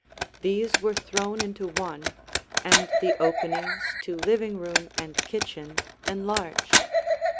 These were thrown into one, and the openings to living room and kitchen enlarged.